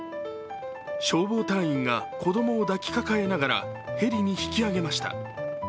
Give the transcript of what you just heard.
消防隊員が子供を抱きかかえながらヘリに引き上げました。